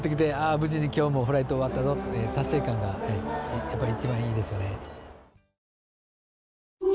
無事に今日もフライト終わったぞっていう達成感がやっぱり一番いいですよね。